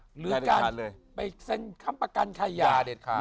หรือการไปเซ็นค้ำประกันใครอย่าเด็ดขาด